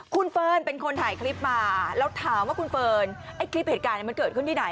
คุณเฟิร์นเป็นคนถ่ายคลิปมาแล้วถามว่าคุณเฟิร์นไอ้คลิปเหตุการณ์มันเกิดขึ้นที่ไหน